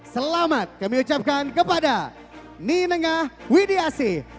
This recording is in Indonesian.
selamat kami ucapkan kepada ninengah widiasi